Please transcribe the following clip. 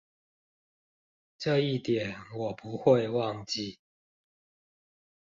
這一點我不會忘記